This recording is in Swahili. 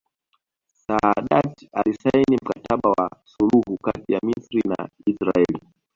Saadat alisaini Mkataba wa suluhu kati ya Misri na Israeli